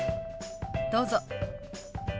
どうぞ。